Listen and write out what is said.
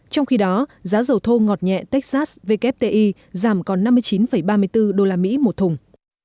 trong khi đó giá dầu thô ngọt nhẹ texas wti giảm còn năm mươi chín ba mươi bốn đô la mỹ một thùng